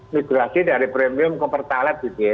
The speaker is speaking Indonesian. migrasi dari premium ke pertalite gitu ya